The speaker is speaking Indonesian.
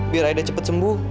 biar aida cepet sembuh